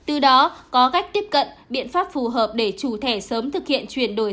từ đó có cách tiếp cận biện pháp phù hợp để chủ thẻ sớm thực hiện chuyển đổi